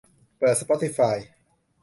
เปิดสปอติฟาย